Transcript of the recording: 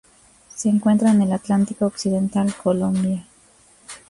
Se encuentra en el Atlántico occidental: Colombia.